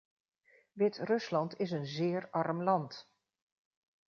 Wit-Rusland is een zeer arm land.